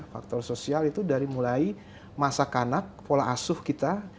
faktor sosial itu dari mulai masa kanak pola asuh kita